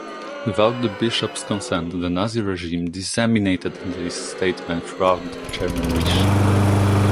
Without the bishops' consent the Nazi regime disseminated this statement throughout the German Reich.